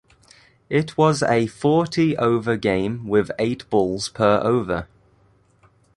It was a forty over game with eight balls per over.